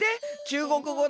「中国語！